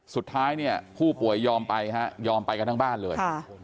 สุดท้ายเนี่ยผู้ป่วยยอมไปฮะยอมไปกันทั้งบ้านเลย